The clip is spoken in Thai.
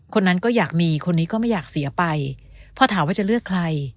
คนนั้นก็อยากมีคนนี้ก็ไม่อยากเสียไปพอถามว่าจะเลือกใคร